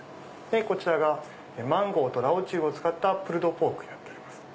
こちらがマンゴーと老酒を使ったプルドポークになっております。